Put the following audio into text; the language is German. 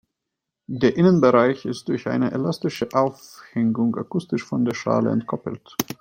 Der Innenbereich ist durch eine elastische Aufhängung akustisch von der Schale entkoppelt.